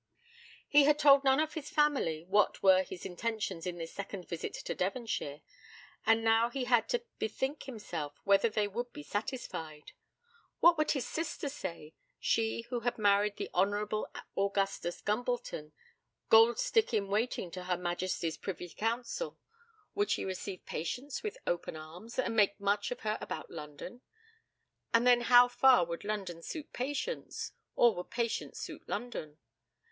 He had told none of his family what were his intentions in this second visit to Devonshire, and now he had to bethink himself whether they would be satisfied. What would his sister say, she who had married the Honourable Augustus Gumbleton, gold stick in waiting to Her Majesty's Privy Council? Would she receive Patience with open arms, and make much of her about London? And then how far would London suit Patience, or would Patience suit London?